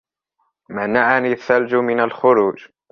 منعني الثلج من الخروج.